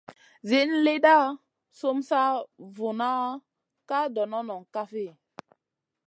Zin lida sum sa vuŋa ka dono kafi ?